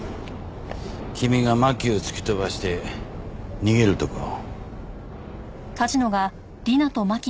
君が真輝を突き飛ばして逃げるところを。